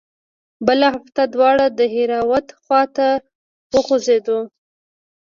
بله هفته دواړه د دهراوت خوا ته وخوځېدو.